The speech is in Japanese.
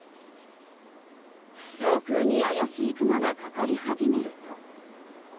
上空に怪しい雲がかかり始めると。